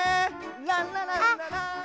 ランラランララーン。